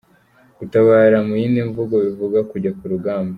Gutabara mu yindi mvugo bivuga kujya ku rugamba.